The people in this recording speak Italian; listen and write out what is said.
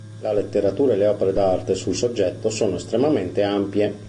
La letteratura e le opere d'arte sul soggetto sono estremamente ampie.